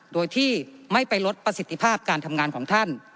โดยที่ไม่ไปลดประสิทธิภาพการทำงานของท่าน